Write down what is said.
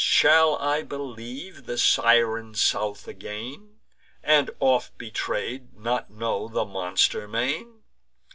Shall I believe the Siren South again, And, oft betray'd, not know the monster main?"